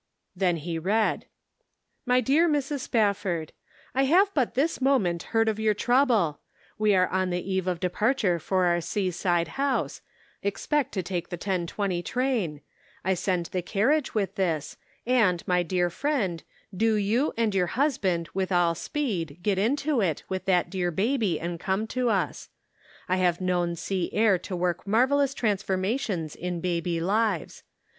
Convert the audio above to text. Then he read: "My Dear Mrs. Spafford: I have but this moment heard of your trouble ; we are on the eve of departure for our seaside house ; expect to take the 12:20 train ; I send the carriage with this, and, my dear friend, do you and your husband with all speed, get into it with that dear baby and come to us. I have known sea air to work marvellous transformations in baby lives.